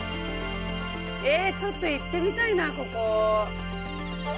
えちょっと行ってみたいなここ。